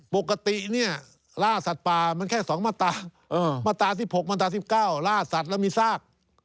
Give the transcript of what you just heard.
ปกติเนี่ยล่าสัตว์ป่ามันแค่๒มาตรา๑๖มาตรา๑๙ล่าสัตว์แล้วมีซาก